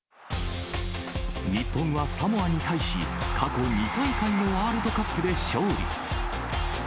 日本はサモアに対し、過去２大会のワールドカップで勝利。